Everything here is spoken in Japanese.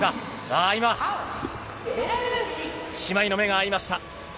ああ、今、姉妹の目が合いました。